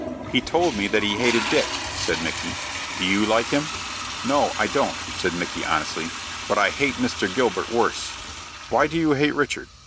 "He told me that he hated Dick," said Micky. "Do you like him?" "No, I don't," said Micky, honestly; "but I hate Mr. Gilbert worse." "Why do you hate Richard?"